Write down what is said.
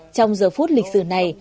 trong giờ phút lịch sử này